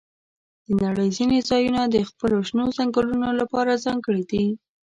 د نړۍ ځینې ځایونه د خپلو شنو ځنګلونو لپاره ځانګړي دي.